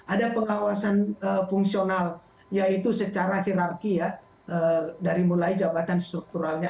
ada pengawasan fungsional yaitu secara hirarki ya dari mulai jabatan strukturalnya